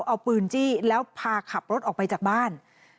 เอาปืนจี้แล้วพาขับรถออกไปจากบ้าน